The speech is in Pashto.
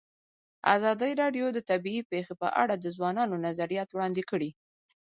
ازادي راډیو د طبیعي پېښې په اړه د ځوانانو نظریات وړاندې کړي.